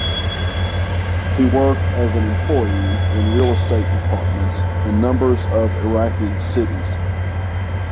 He worked as an employee in real estate departments in numbers of Iraqi cities.